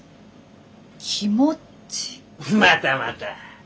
またまた！